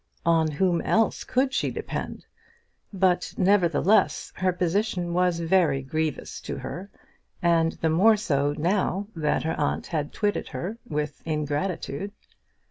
On whom else could she depend? But, nevertheless, her position was very grievous to her, and the more so now that her aunt had twitted her with ingratitude.